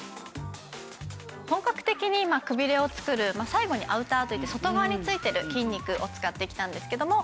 本格的にくびれを作る最後にアウターといって外側についている筋肉を使ってきたんですけども。